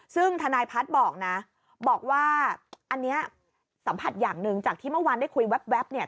ซึ่งทนายพัฒน์บอกนะบอกว่าอันนี้สัมผัสอย่างหนึ่งจากที่เมื่อวานได้คุยแว๊บเนี่ย